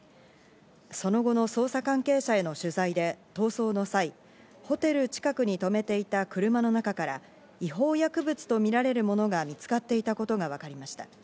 その後の捜査関係者への取材で、逃走の際、ホテル近くに止めていた車の中から違法薬物とみられるものが見つかっていたことがわかりました。